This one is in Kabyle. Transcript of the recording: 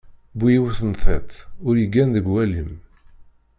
Bu yiwet n tiṭ, ur iggan deg walim.